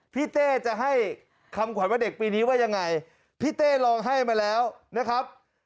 เต้จะให้คำขวัญว่าเด็กปีนี้ว่ายังไงพี่เต้ลองให้มาแล้วนะครับ